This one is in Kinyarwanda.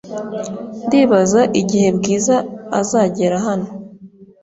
Ndibaza igihe Bwiza azagera hano .